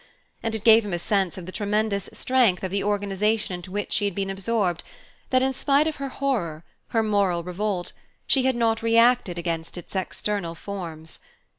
And it gave him a sense of the tremendous strength of the organization into which she had been absorbed, that in spite of her horror, her moral revolt, she had not reacted against its external forms.